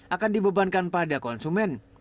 akan dibebankan pada konsumen